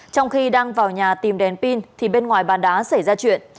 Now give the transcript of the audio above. trong khi đang vào nhà tìm đèn pin thì bên ngoài bàn đá xảy ra chuyện